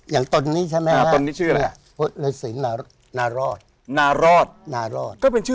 อย่างองค์นี้ชื่ออะไรฮะ